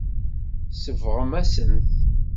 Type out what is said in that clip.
Tsebɣem-asen-t.